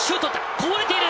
こぼれている。